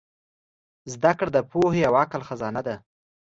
زدهکړه د پوهې او عقل خزانه ده.